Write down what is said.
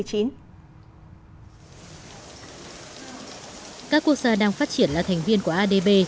các quốc gia đang phát triển là thành viên của adb